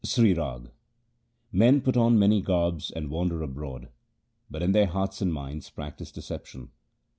Sri Rag Men put on many garbs and wander abroad, but in their hearts and minds practise deception.